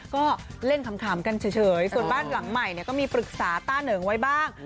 ก็เล่นขำกันเฉยส่วนบ้านหลังใหม่ก็มีปรึกษาต้าเหนิงไว้บ้าง